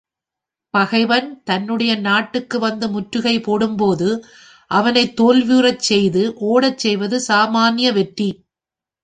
பகைவன் தன்னுடைய நாட்டுக்கு வந்து முற்றுகை போடும்போது, அவனைத் தோல்வியுறச் செய்து ஒடச் செய்வது சாமான்ய வெற்றி.